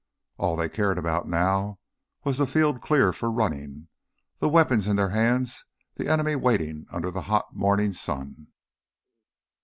All they cared about now was the field clear for running, the weapons in their hands, the enemy waiting under the hot morning sun.